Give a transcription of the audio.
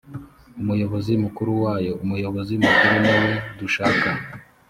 umuyobozi mukuru wayo umuyobozi mukuru niwe dushaka